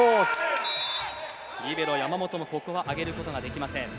リベロ、山本もここは上げることができません。